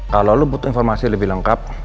kalau lo butuh informasi lebih lengkap